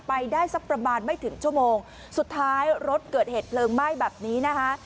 ไปได้สักประมาณไม่ถึงชั่วโมงสุดท้ายรถเกิดเหตุเพลิงไหม้แบบนี้นะคะ